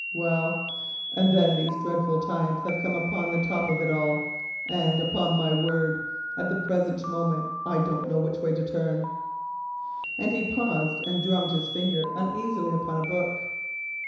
Well, and then these dreadful times have come upon the top of it all, and upon my word, at the present moment I don't know which way to turn," and he paused and drummed his fingers uneasily upon a book.